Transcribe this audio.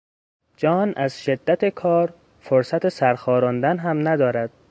جان از شدت کار فرصت سرخاراندن هم ندارد.